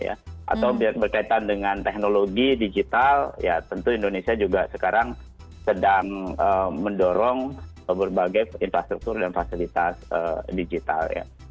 atau berkaitan dengan teknologi digital ya tentu indonesia juga sekarang sedang mendorong berbagai infrastruktur dan fasilitas digital